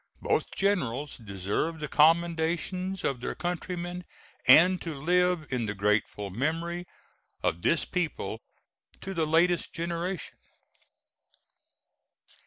Both generals deserve the commendations of their countrymen and to live in the grateful memory of this people to the latest generation.